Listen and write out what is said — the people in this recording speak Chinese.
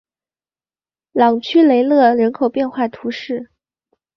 朗屈雷勒人口变化图示